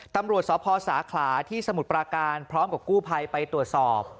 ตำรวจสพสาขลาที่สมุทรปราการพร้อมกับกู้ภัยไปตรวจสอบ